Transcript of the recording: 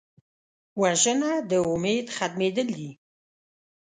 وژنه د امید ختمېدل دي